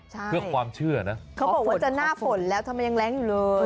เพื่อความเชื่อนะเขาบอกว่าจะหน้าฝนแล้วทำไมยังแรงอยู่เลย